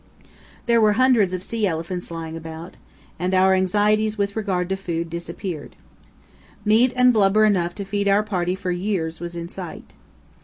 There were hundreds of sea elephants lying about, and our anxieties with regard to food disappeared. Meat and blubber enough to feed our party for years was in sight.